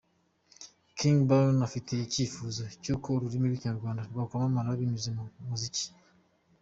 King Bayo afite icyifuzo cy’uko ururimi rw’ikinyarwanda rwakwamamara binyuze mu muziki….